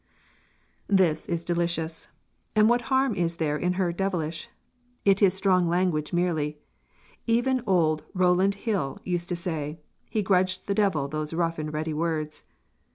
This is delicious; and what harm is there in her "Devilish"? it is strong language merely; even old Rowland Hill used to say "he grudged the Devil those rough and ready words."